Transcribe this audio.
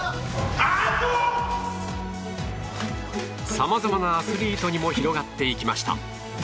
さまざまなアスリートにも広がっていきました。